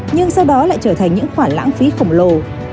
nhưng sau đó lại trở thành những khoản lãng phí khổng lồ